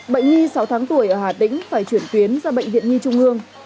bệnh nhi sáu tháng tuổi ở hà tĩnh phải chuyển tuyến ra bệnh viện nhi trung ương